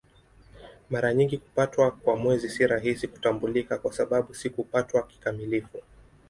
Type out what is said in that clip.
Mara nyingi kupatwa kwa Mwezi si rahisi kutambulika kwa sababu si kupatwa kikamilifu.